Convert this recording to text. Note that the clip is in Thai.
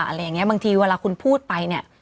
อะไรอย่างนี้บางทีเวลาคุณพูดไปเนี่ย